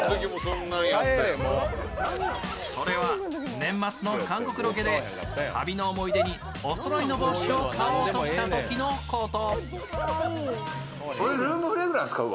それは年末の韓国ロケで旅の思い出におそろいの帽子を買おうとしたときのこと。